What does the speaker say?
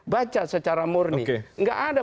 baca secara murni nggak ada